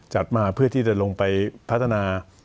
จัดมาเพื่อที่จะลงไปพัฒนา